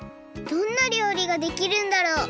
どんな料理ができるんだろう？